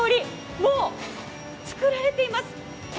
もう作られています。